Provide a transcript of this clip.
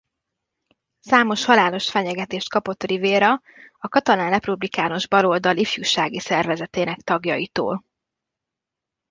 Számos halálos fenyegetést kapott Rivera a Katalán Republikánus Baloldal ifjúsági szervezetének tagjaitól.